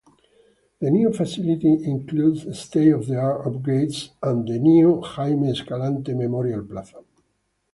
The new facility includes state-of-the-art upgrades and the new Jaime Escalante Memorial Plaza.